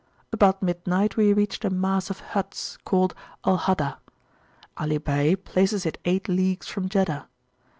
About midnight we reached a mass of huts, called Al Haddah. Ali Bey places it eight leagues from Jeddah.